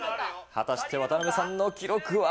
果たして渡辺さんの記録は。